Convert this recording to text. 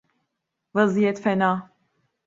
Vaziyet fena…